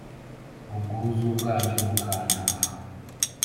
ubwuzu bwanyu bukantaha.